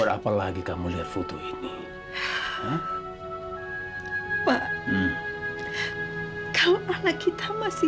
bapak juga punya pikiran yang sama bu